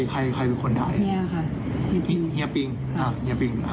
ใครใครเป็นคนด่ายเนี่ยค่ะเนี่ยปิ๊งอ่ะเนี่ยปิ๊งอ่ะ